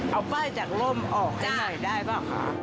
เอาป้ายจากร่มออกให้หน่อยได้บ้างค่ะ